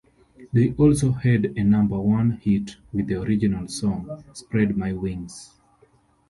They also had a number-one hit with the original song "Spread My Wings".